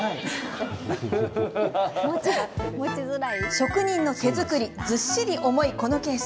職人の手作りでずっしりと重いこのケース。